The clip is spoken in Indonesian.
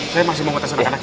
saya masih mau ngetes anak anak